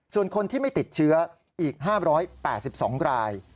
ส่วนคนที่ไม่ติดเชื้ออีก๕๘๒ราย